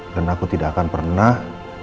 karena aku tidak akan pernah